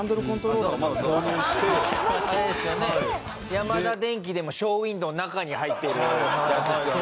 ヤマダデンキでもショーウィンドーの中に入ってるやつですよね？